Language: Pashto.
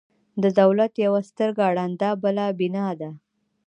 د دولت یوه سترګه ړنده ده، بله بینا.